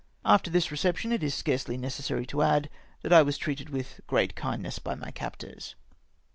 After this reception it is scarcely necessary to add that I was treated with great kindness by my captors.